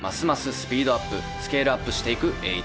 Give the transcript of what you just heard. スピードアップスケールアップしていく栄一。